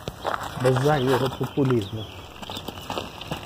Без зайвого популізму.